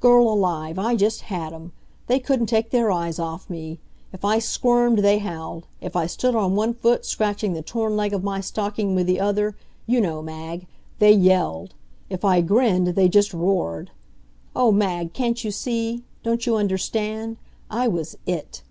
Girl alive, I just had 'em! They couldn't take their eyes off me. If I squirmed, they howled. If I stood on one foot, scratching the torn leg of my stocking with the other you know, Mag! they yelled. If I grinned, they just roared. Oh, Mag, can't you see? Don't you understand? I was It.